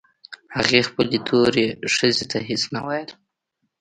هغه خپلې تورې ښځې ته هېڅ نه ويل.